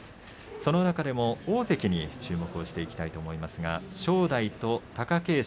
その中でも大関に注目していきたいと思いますが正代と貴景勝。